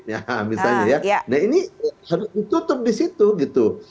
nah ini harus ditutup di situ